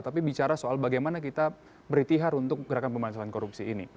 tapi bagaimana kita beri tihar untuk gerakan pemerintahan korupsi ini